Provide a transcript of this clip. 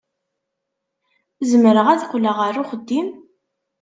Zemreɣ ad qqleɣ ɣer uxeddim?